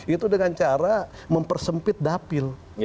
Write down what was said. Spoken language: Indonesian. itu dengan cara mempersempit dapil